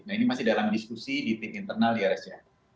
nah ini masih dalam diskusi di tim internal di rsj